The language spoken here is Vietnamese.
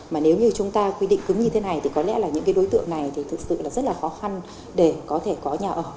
mà nếu như chúng ta quy định cứng như thế này thì có lẽ là những cái đối tượng này thì thực sự là rất là khó khăn để có thể có nhà ở